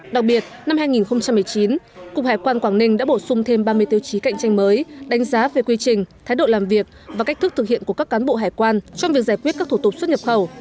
đặc biệt năm hai nghìn một mươi chín cục hải quan quảng ninh đã bổ sung thêm ba mươi tiêu chí cạnh tranh mới đánh giá về quy trình thái độ làm việc và cách thức thực hiện của các cán bộ hải quan trong việc giải quyết các thủ tục xuất nhập khẩu